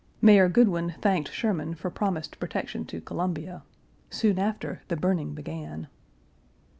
Mayor Goodwyn thanked Sherman for promised protection to Columbia; soon after, the burning began.